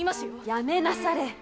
やめなされ！